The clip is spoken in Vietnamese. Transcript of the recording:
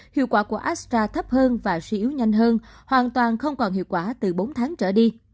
hiệu quả của astra thấp hơn và suy yếu nhanh hơn hoàn toàn không còn hiệu quả từ bốn tháng trở đi